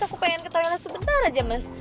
aku pengen ke toilet sebentar aja mas